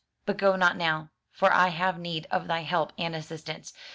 But go not now, for I have need of thy help and assistance.